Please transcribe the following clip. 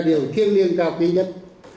và điều kiên liên cập nhất